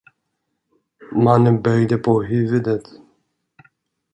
Mannen böjde på huvudet.